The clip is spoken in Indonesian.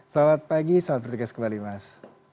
selamat pagi salam petikas kembali mas